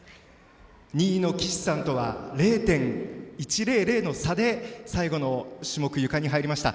２位の岸さんとは０．１００の差で最後の種目、ゆかに入りました。